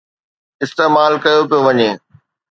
استعمال ڪيو پيو وڃي.